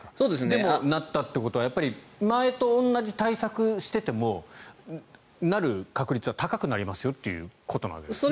でも、なったということは前と同じ対策をしていてもなる確率は高くなりますということですかね。